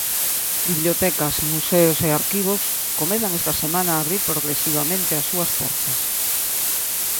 Bibliotecas, museos e arquivos comezan esta semana a abrir progresivamente as súas portas.